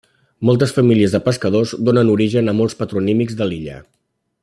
Moltes famílies de pescadors donen origen a molts patronímics de l'illa.